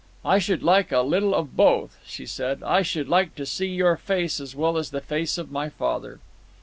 "I should like a little of both," she said. "I should like to see your face as well as the face of my father."